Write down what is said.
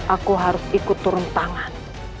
aku harus ikut turun tangan